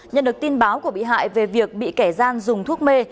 nhận được tin báo của bị hại về việc bị kẻ gian dùng thuốc mê